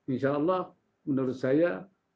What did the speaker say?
insya allah menurut saya